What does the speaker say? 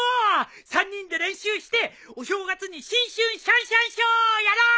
３人で練習してお正月に新春シャンシャンショーをやろう！